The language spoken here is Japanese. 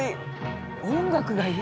音楽がいい。